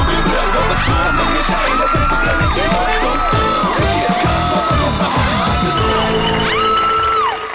ไม่เกียจครับเพราะว่าผมมาหาเธอดูโอ้โฮ